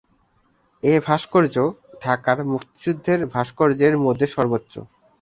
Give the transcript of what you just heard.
এ ভাস্কর্য ঢাকার মুক্তিযুদ্ধের ভাস্কর্যের মধ্যে সর্বোচ্চ।